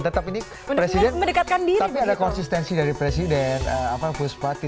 tetap ini presiden tapi ada konsistensi dari presiden puspati